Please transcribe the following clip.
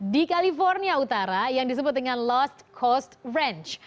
di california utara yang disebut dengan lost coast ranch